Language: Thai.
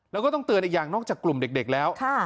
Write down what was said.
แล้วก็ต้องเตือนอีกอย่างนอกจากกลุ่มเด็กแล้ว